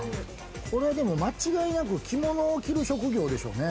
これは間違いなく着物を着る職業でしょうね。